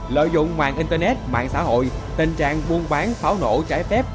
lợi dụng mạng internet mạng xã hội tình trạng buôn bán pháo nổ trái phép